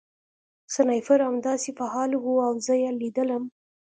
سنایپر همداسې فعال و او زه یې لیدلم